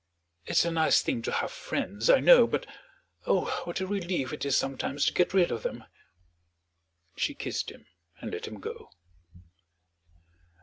It's a nice thing to have friends, I know; but, oh, what a relief it is sometimes to get rid of them!" She kissed him, and let him go.